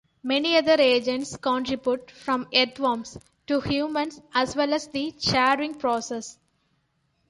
Many other agents contribute, from earthworms to humans as well as the charring process.